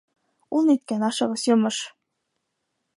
- Ул ниткән ашығыс йомош?